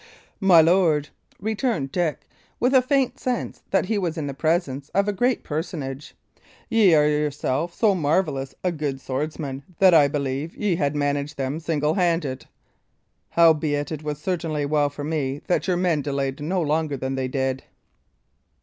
"My lord," returned Dick, with a faint sense that he was in the presence of a great personage, "ye are yourself so marvellous a good swordsman that I believe ye had managed them single handed. Howbeit, it was certainly well for me that your men delayed no longer than they did."